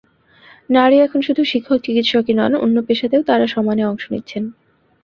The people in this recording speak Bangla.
নারী এখন শুধু শিক্ষক-চিকিৎসকই নন, অন্য পেশাতেও তাঁরা সমানে অংশ নিচ্ছেন।